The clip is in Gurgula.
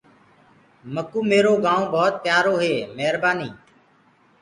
مڪوُ ميرو گآئونٚ ڀوت پيآرو هي۔ ميربآني۔